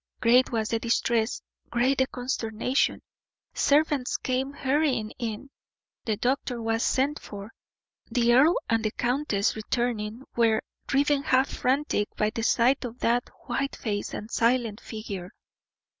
Great was the distress, great the consternation; servants came hurrying in, the doctor was sent for. The earl and the countess returning, were driven half frantic by the sight of that white face and silent figure.